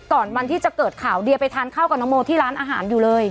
วันที่จะเกิดข่าวเดียไปทานข้าวกับน้องโมที่ร้านอาหารอยู่เลย